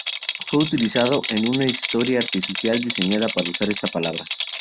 Fue utilizado en una historia artificial diseñada para usar esta palabra.